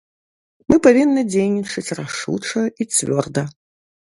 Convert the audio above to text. Мы павінны дзейнічаць рашуча і цвёрда.